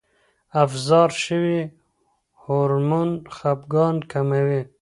افراز شوی هورمون خپګان کموي.